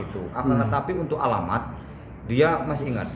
tetapi untuk alamat dia masih ingat